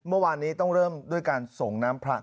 เมื่อวานนี้ต้องเริ่มด้วยการส่งน้ำพระ